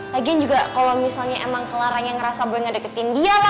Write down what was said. lagian juga kalau misalnya emang clara yang ngerasa boy nggak deketin dia lah